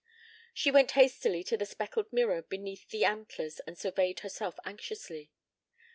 She went hastily to the speckled mirror beneath the antlers and surveyed herself anxiously.